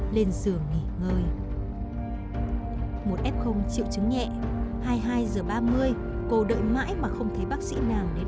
bắt đầu nghỉ ngơi một f chịu chứng nhẹ hai mươi hai giờ ba mươi cô đợi mãi mà không thấy bác sĩ nàng đến